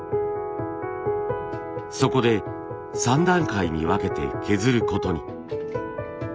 そこで３段階に分けて削ることに。